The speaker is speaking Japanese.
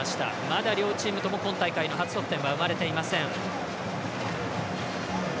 まだ両チームとも今大会の初得点は生まれていません。